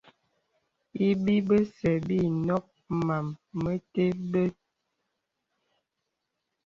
Ibi bəsə̀ bə ǐ nɔk màm mətè bə̀.